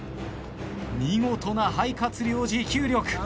見事な肺活量持久力。